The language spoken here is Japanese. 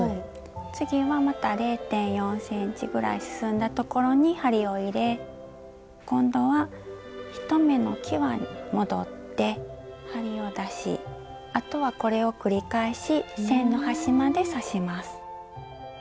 次はまた０．４ｃｍぐらい進んだところに針を入れ今度は１目のきわに戻って針を出しあとはこれを繰り返し線の端まで刺します。